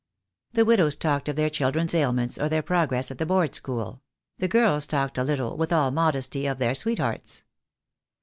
The widows talked of their children's ailments or their progress at the Board School; the girls talked a little, and with all modesty, of their sweethearts.